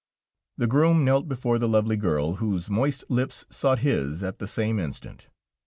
The groom knelt before the lovely girl, whose moist lips sought his at the same instant.